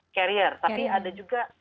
karier tapi ada juga